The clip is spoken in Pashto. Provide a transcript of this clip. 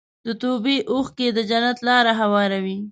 د توبې اوښکې د جنت لاره هواروي.